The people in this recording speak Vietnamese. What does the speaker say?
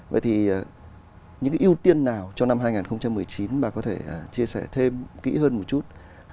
vậy thì những cái ưu tiên nào cho năm hai nghìn một mươi chín bà có thể chia sẻ thêm kỹ hơn một chút